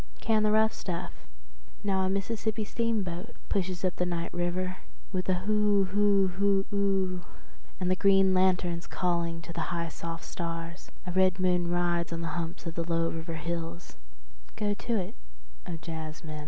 Can the rough stuff … now a Mississippi steamboat pushes up the night river with a hoo hoo hoo oo … and the green lanterns calling to the high soft stars … a red moon rides on the humps of the low river hills … go to it, O jazzmen.